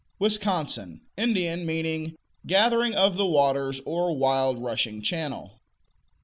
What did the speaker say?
Wisconsin Indian; meaning "gathering of the waters," or "wild rushing channel."